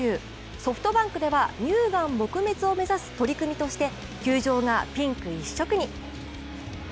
ソフトバンクでは乳がん撲滅を目指す取り組みとして球場がピンク一色に。